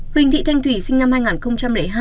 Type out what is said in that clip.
huỳnh thị thanh thủy sinh năm hai nghìn hai